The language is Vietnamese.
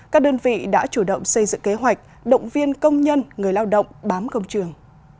các đơn vị đã chủ động xây dựng kế hoạch động viên công nhân người lao động bám công trường